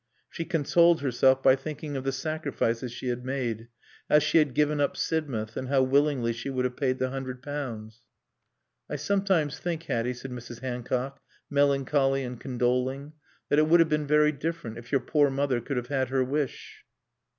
She consoled herself by thinking of the sacrifices she had made, how she had given up Sidmouth, and how willingly she would have paid the hundred pounds. "I sometimes think, Hatty," said Mrs. Hancock, melancholy and condoling, "that it would have been very different if your poor mother could have had her wish."